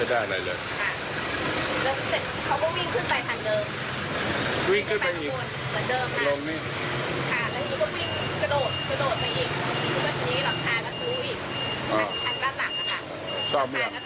ทางด้านหลังนะคะ